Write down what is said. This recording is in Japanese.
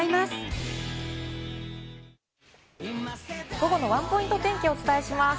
午後のワンポイント天気をお伝えします。